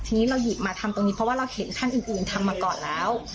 ทีนี้เราหยิบมาทำตรงนี้เพราะว่าเราเห็นท่านอื่นทำมาก่อนแล้ว